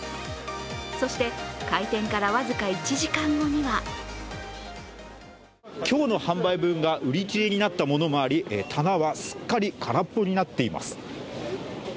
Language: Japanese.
そして、開店から僅か１時間後には今日の販売分が売り切れになったものがあり、棚はすっかり空っぽになっています。